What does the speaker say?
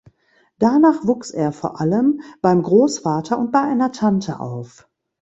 Danach wuchs er vor allem beim Grossvater und bei einer Tante auf.